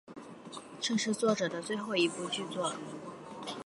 这是作者的最后一部剧作。